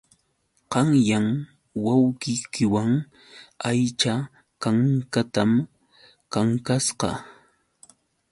Qanyan wawqiiwan aycha kankatam kankasqa.